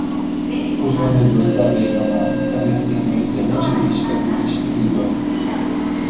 Os vendedores à beira-mar também têm uma excelente vista do East River.